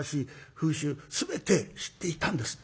風習全て知っていたんですって。